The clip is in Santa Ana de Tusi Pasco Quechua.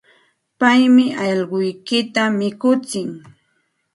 Paymi allquykita mikutsin.